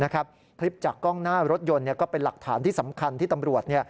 คลิปจากกล้องหน้ารถยนต์ก็เป็นหลักฐานที่สำคัญที่ตำรวจ